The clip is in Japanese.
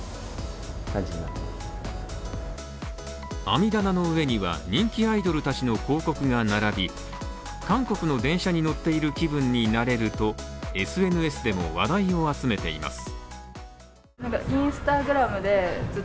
網棚の上には、人気アイドルたちの広告が並び韓国の電車に乗っている気分になれるとＳＮＳでも話題を集めています。